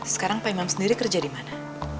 sekarang pak imam sendiri kerja di mana